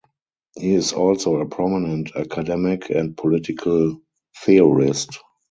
He is also a prominent academic and political theorist.